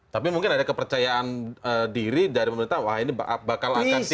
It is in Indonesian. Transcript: tapi mungkin ada kepercayaan diri dari pemerintah wah ini bakal akan tidak di